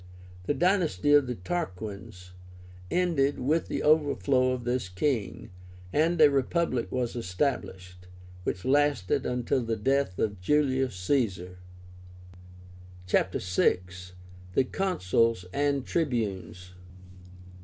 The dynasty of the Tarquins ended with the overthrow of this king, and a Republic was established, which lasted until the death of Julius Caesar. CHAPTER VI. THE CONSULS AND TRIBUNES.